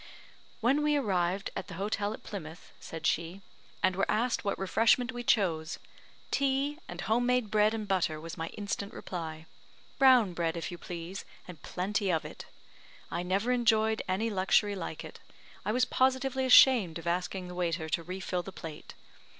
"When we arrived at the hotel at Plymouth," said she, "and were asked what refreshment we chose 'Tea, and home made bread and butter,' was my instant reply. 'Brown bread, if you please, and plenty of it.' I never enjoyed any luxury like it. I was positively ashamed of asking the waiter to refill the plate.